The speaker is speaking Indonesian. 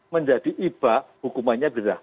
menjadi iba hukumannya bedah